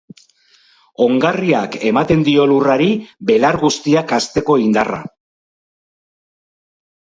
Ongarriak ematen dio lurrari belar guztiak hazteko indarra.